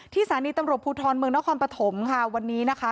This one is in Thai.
ที่สารีตำรวจหูทรเมืองเนอะคอลผถมวันนี้นะคะ